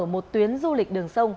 một tuyến du lịch đường sông